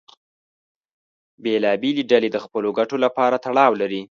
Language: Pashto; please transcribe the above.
بېلابېلې ډلې د خپلو ګټو لپاره تړاو لرلې.